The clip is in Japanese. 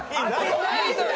怖いのよ。